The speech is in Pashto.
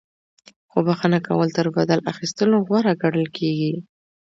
خو بخښنه کول تر بدل اخیستلو غوره ګڼل کیږي.